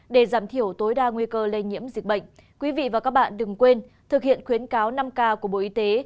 để giảm thiểu tối đa nguy cơ lây nhiễm dịch bệnh quý vị và các bạn đừng quên thực hiện khuyến cáo năm k của bộ y tế